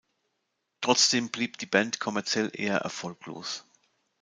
Trotzdem blieb die Band kommerziell eher erfolglos.